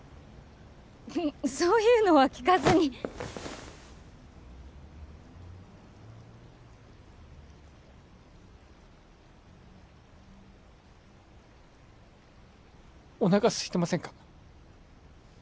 そういうのは聞かずにおなかすいてませんか？